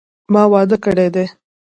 ما واده کړی دي